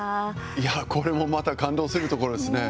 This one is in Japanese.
いやあ、これもまた感動するところですね。